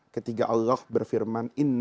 ketika allah berfirman